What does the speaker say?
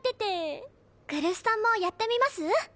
来栖さんもやってみます？